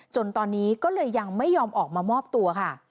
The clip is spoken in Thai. จนตอนนี้ก็เลยยังไม่ยอมออกมามอบตัวค่ะ